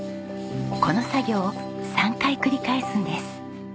この作業を３回繰り返すんです。